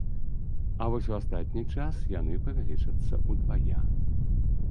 А вось у астатні час яны павялічацца ўдвая.